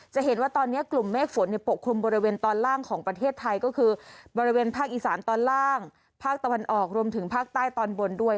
จะเห็นว่าตอนนี้กลุ่มเมฆฝนปกคลุมบริเวณตอนล่างของประเทศไทยก็คือบริเวณภาคอีสานตอนล่างภาคตะวันออกรวมถึงภาคใต้ตอนบนด้วย